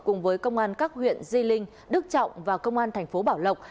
cùng với công an các huyện di linh đức trọng và công an tp bảo lộc